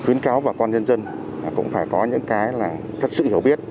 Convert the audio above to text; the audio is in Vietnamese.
khuyến cáo bà con nhân dân cũng phải có những cái sự hiểu biết